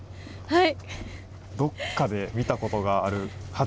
はい。